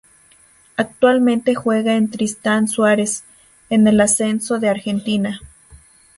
Actualmente juega en Tristan Suarez, en el ascenso de Argentina.